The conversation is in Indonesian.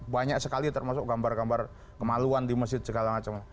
banyak sekali termasuk gambar gambar kemaluan di masjid segala macam